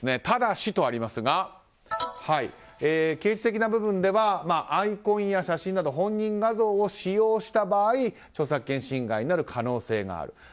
ただしとありますが刑事的な部分ではアイコンや写真など本人画像を使用した場合著作権侵害になる可能性がある。